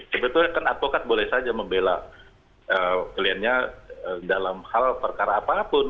sebetulnya kan advokat boleh saja membela kliennya dalam hal perkara apapun